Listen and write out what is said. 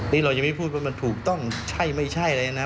นี่เรายังไม่พูดว่ามันถูกต้องใช่ไม่ใช่อะไรนะ